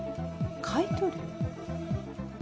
買い取る？